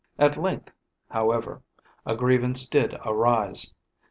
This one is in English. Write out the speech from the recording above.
At length, however, a grievance did arise.